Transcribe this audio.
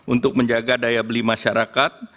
untuk menjaga daya beli masyarakat